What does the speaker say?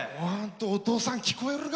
お父さん、聞こえるか？